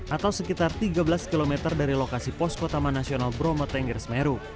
atau sekitar tiga belas km dari lokasi poskotaman nasional bromo tengger smeru